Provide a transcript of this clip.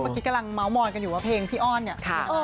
กำลังเมาส์มอนกันอยู่ว่าเพลงพี่อ้อนเนี่ย